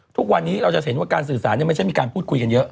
ทุกวันนี้เราจะเห็นว่าการสื่อสารไม่ใช่มีการพูดคุยกันเยอะ